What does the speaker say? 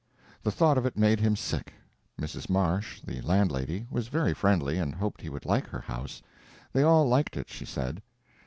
The thought of it made him sick. Mrs. Marsh, the landlady, was very friendly and hoped he would like her house—they all liked it, she said.